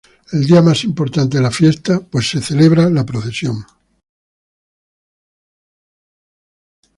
El día más importante de la fiesta, pues se celebra la procesión.